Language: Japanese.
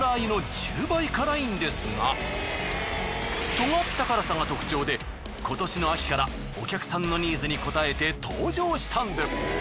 その名のとおり今年の秋からお客さんのニーズに応えて登場したんです。